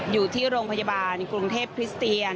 อยู่ที่โรงพยาบาลกรุงเทพคริสเตียน